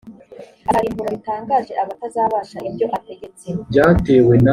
azarimbura bitangaje abatazabasha ibyo ategetse